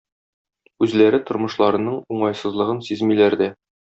Үзләре тормышларының уңайсызлыгын сизмиләр дә.